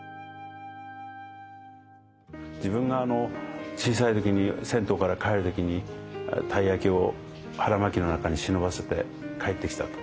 自分が小さい時に銭湯から帰る時にたい焼きを腹巻きの中に忍ばせて帰ってきたと。